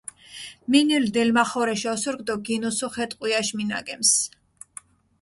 მინილჷ დელმახორეშ ოსურქ დო გინუსუ ხე ტყვიაშ მინაგემს.